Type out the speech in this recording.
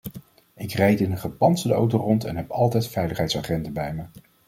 Ik rijd in een gepantserde auto rond en heb altijd veiligheidsagenten bij me.